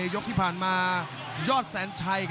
ยกที่ผ่านมายอดแสนชัย